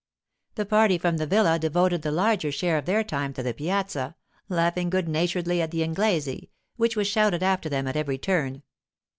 The party from the villa devoted the larger share of their time to the piazza, laughing good naturedly at the 'Inglese! which was shouted after them at every turn.